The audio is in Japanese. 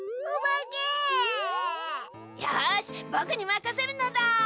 よしぼくにまかせるのだ。